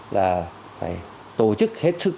là phải tổ chức hết sức